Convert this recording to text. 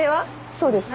そうですか。